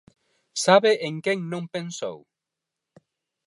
¿Sabe en quen non pensou?